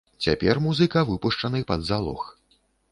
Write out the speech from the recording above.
Цяпер музыка выпушчаны пад залог.